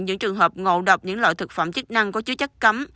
những trường hợp ngộ độc những loại thực phẩm chức năng có chứa chất cấm